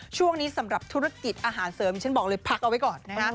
สำหรับธุรกิจอาหารเสริมที่ฉันบอกเลยพักเอาไว้ก่อนนะคะ